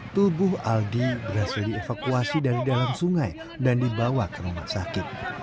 tubuh aldi berhasil dievakuasi dari dalam sungai dan dibawa ke rumah sakit